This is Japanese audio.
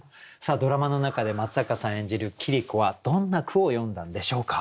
ドラマの中で松坂さん演じる桐子はどんな句を詠んだんでしょうか。